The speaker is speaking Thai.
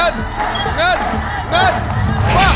เงิน